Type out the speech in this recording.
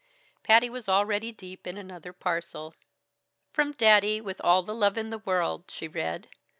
Patty was already deep in another parcel. "From Daddy, with all the love in the world," she read.